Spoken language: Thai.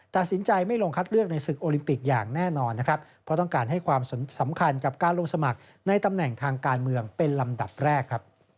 ตัดสินใจไม่ลงคัดเลือกในศึกโอลิมปิกอย่างแน่นอนนะครับเพราะต้องการให้ความสำคัญกับการลงสมัครในตำแหน่งทางการเมืองเป็นลำดับแรกครับ